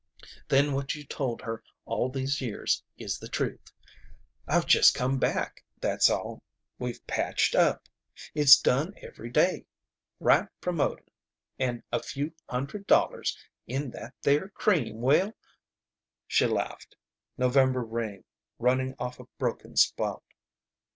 Then what you've told her all these years is the truth. I've just come back, that's all. We've patched up. It's done every day. Right promoting and a few hundred dollars in that there cream will " She laughed. November rain running off a broken spout.